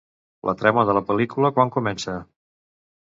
La trama de la pel·lícula, quan comença?